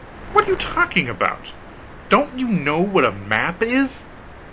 What are you talking about? Don't you know what a map is?